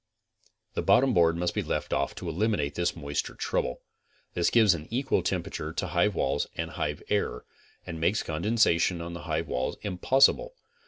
The botton board must be left off to eliminate this moisture trou ble. This gives an equal temperature to hive walls and hive air, and makes condensation on the hive walls impossible.